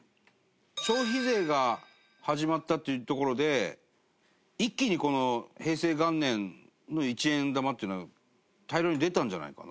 消費税が始まったっていうところで一気に、この平成元年の一円玉っていうのが大量に出たんじゃないかな？